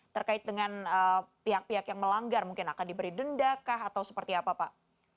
terkait dengan pihak pihak yang melanggar mungkin akan diberi denda kah atau seperti apa pak